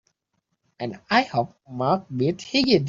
And I hope Mark beats Higgins!